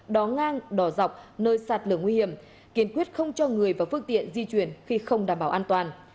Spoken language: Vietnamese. đó ngang đỏ dọc nơi sạt lửa nguy hiểm kiên quyết không cho người và phương tiện di chuyển khi không đảm bảo an toàn